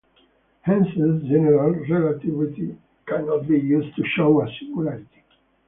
Hence general relativity cannot be used to show a singularity.